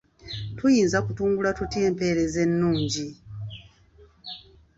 Tuyinza kutumbula tutya empeereza ennungi?